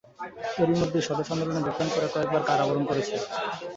এরই মধ্যে স্বদেশী আন্দোলনে যোগদান করে কয়েকবার কারাবরণ করেন।